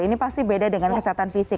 ini pasti beda dengan kesehatan fisik